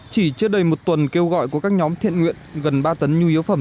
chỉ trước đầy một tuần kêu gọi của các nhóm thiện nguyện gần ba tấn nhu yếu phẩm